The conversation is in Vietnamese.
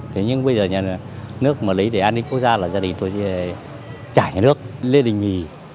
thế nhưng bây giờ nước mà lấy để an ninh quốc gia là gia đình tôi chỉ trả nhà nước lên đình nghỉ